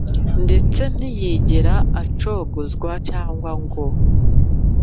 ndetse ntiyigera acogozwa cyangwa ngo